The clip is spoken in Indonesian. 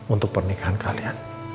untuk pernikahan kalian